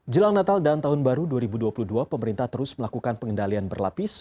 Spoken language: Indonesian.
jelang natal dan tahun baru dua ribu dua puluh dua pemerintah terus melakukan pengendalian berlapis